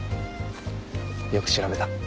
よく調べた。